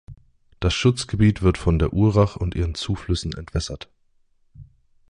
Das Schutzgebiet wird von der Urach und ihren Zuflüssen entwässert.